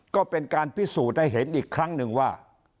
ก็เป็นการพิสูจน์ให้เห็นอีกครั้งหนึ่งว่า